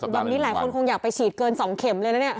แบบนี้หลายคนคงอยากไปฉีดเกิน๒เข็มเลยนะเนี่ย